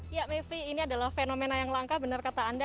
ya mevri ini adalah fenomena yang langka benar kata anda